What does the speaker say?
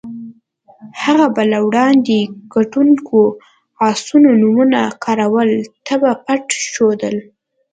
هغه به له وړاندې ګټونکو اسونو نومونه کراول ته په پټه ښودل.